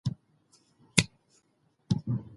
ایا ته پوهېږې چې سبو او مېوې د خوب لپاره ګټور دي؟